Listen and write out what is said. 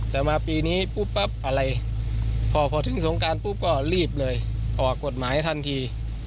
แต่มาปีนี้ปุ๊บปั๊บอะไรพอถึงสงการปุ๊บก็รีบเลยออกกฎหมายทันที